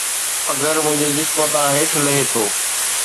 پگهر منهنجي جسم تان هيٺ لهي ٿو